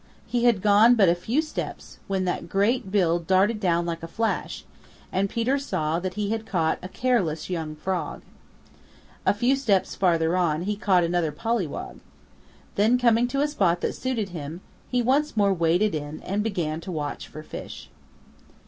He had gone but a few steps when that great bill darted down like a flash, and Peter saw that he had caught a careless young Frog. A few steps farther on he caught another Pollywog. Then coming to a spot that suited him, he once more waded in and began to watch for fish.